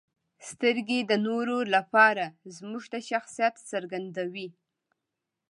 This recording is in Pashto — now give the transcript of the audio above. • سترګې د نورو لپاره زموږ د شخصیت څرګندوي.